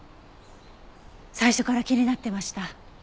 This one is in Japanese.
最初から気になってました。